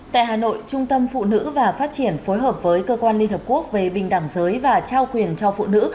tại hà nội trung tâm phụ nữ và phát triển phối hợp với cơ quan liên hợp quốc về bình đẳng giới và trao quyền cho phụ nữ